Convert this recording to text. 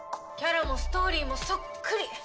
キャラもストーリーもそっくり。